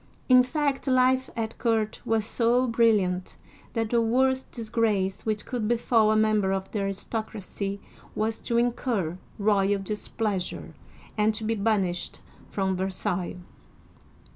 In fact life at court was so brilliant, that the worst disgrace which could befall a member of the aristocracy was to incur royal displeasure and to be banished from Versailles.